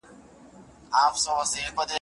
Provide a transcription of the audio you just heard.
او یوه مور